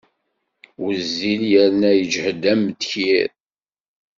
Wezzil yerna yeǧhed am ddkir.